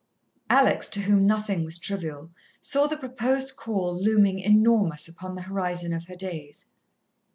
Alex, to whom nothing was trivial, saw the proposed call looming enormous upon the horizon of her days.